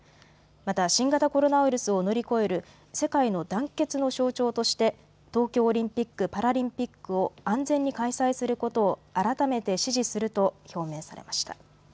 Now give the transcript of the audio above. また新型コロナを乗り越える世界の団結の象徴として東京オリンピック・パラリンピックを安全に開催することを改めて指示すると表明されました。